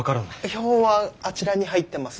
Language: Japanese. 標本はあちらに入ってますが。